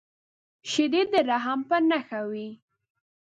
شیدې د رحم په نښه وي